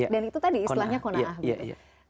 dan itu tadi istilahnya kona'a gitu